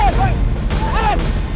ini gue mau jalan